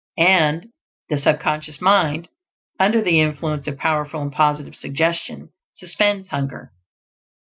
And the sub conscious mind, under the influence of powerful and positive suggestion, suspends hunger.